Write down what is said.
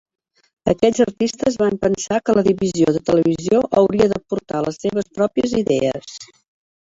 Aquests artistes van pensar que la divisió de televisió hauria d"aportar les seves pròpies idees.